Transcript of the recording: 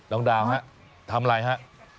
น้องดาวทำอะไรฮะ